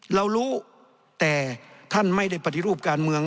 เรารู้แต่ท่านไม่ได้ปฏิรูปการเมือง